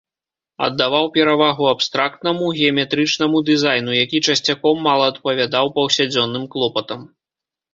Аддаваў перавагу абстрактнаму, геаметрычнаму дызайну, які часцяком мала адпавядаў паўсядзённым клопатам.